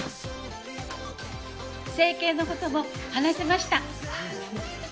整形のことも話せました。